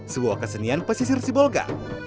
sebuah kesenian pesisir sibolga